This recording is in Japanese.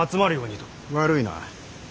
悪いな。